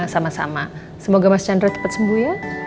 sama sama semoga mas chandra cepat sembuh ya